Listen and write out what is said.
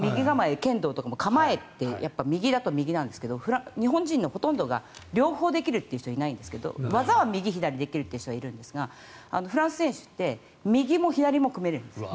剣道とかも構えって右だと右なんですけど日本人のほとんどが両方できるという人はいないんですが技は右左できるという選手はいるんですがフランス選手って右も左も組めるんですよ。